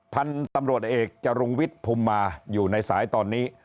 พันธุ์ตำรวจเอกจรุงวิทย์ภูมิมาอยู่ในสายตอนนี้